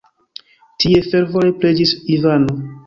Tie fervore preĝis Ivano.